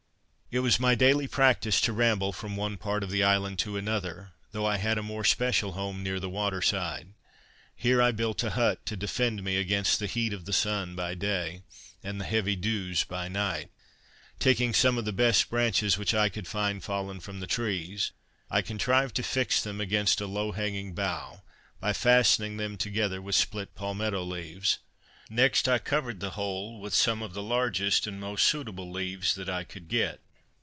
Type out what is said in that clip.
It was my daily practice to ramble from one part of the island to another, though I had a more special home near the water side. Here I built a hut to defend me against the heat of the sun by day, and the heavy dews by night. Taking some of the best branches which I could find fallen from the trees, I contrived to fix them against a low hanging bough, by fastening them together with split palmeto leaves; next I covered the whole with some of the largest and most suitable leaves that I could get.